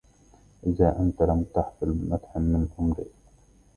إذا أنت لم تحفل بمدح من امرئ